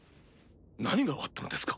何が終わったのですか？